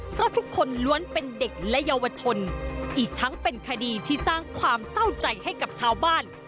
เพราะทุกคนล้วนเป็นเด็กและเยาวชนอีกทั้งเป็นคดีที่สร้างความเศร้าใจให้กับชาวบ้าน